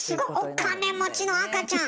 お金持ちの赤ちゃん！